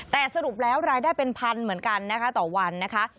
แต่สรุปแล้วรายได้เป็นพันเหมือนกันนะคะต่อวันนะคะ